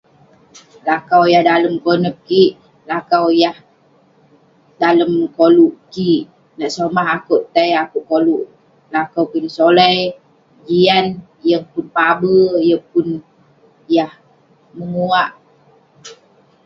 Lakau yah dalem konep kik lakau yah dalem koluk kik lak woman akuek tai akuek koluk laku juk solai jian yeng pun pabe yeng pun yah meguak